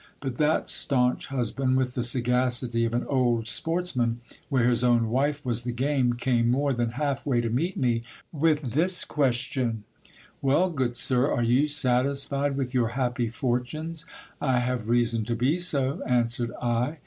But that staunch husband, with the sagacity of an old sports man where his own wife was the game, came more than half way to meet me, with this question : Well, good sir, are you satisfied with your happy fortunes ? I have reason to be so, answered I.